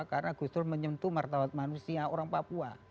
karena gustur menyentuh martabat manusia orang papua